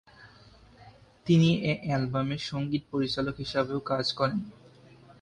তিনি এ অ্যালবামের সঙ্গীত পরিচালক হিসেবেও কাজ করেন।